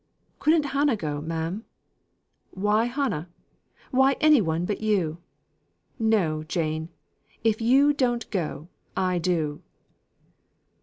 "Couldn't Hannah go, ma'am?" "Why Hannah? Why any but you? No, Jane, if you don't go, I do."